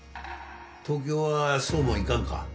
東京はそうもいかんか？